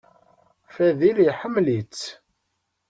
Fadil iḥemmel-itt.